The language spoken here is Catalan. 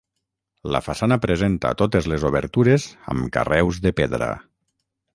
La façana presenta totes les obertures amb carreus de pedra.